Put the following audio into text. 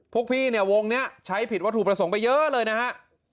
พวกพี่เนี่ยวงนี้ใช้ผิดวัตถุประสงค์ไปเยอะเลยนะฮะ